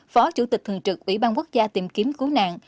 phó chủ tịch thường trực ủy ban quốc gia tìm kiếm cứu nạn